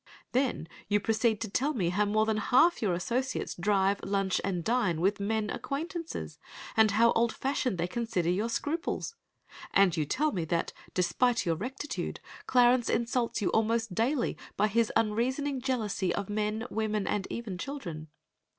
Then you proceed to tell me how more than half your associates drive, lunch, and dine with men acquaintances, and how old fashioned they consider your scruples. And you tell me that, despite your rectitude, Clarence insults you almost daily by his unreasoning jealousy of men, women, and even children.